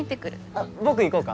あっ僕行こうか？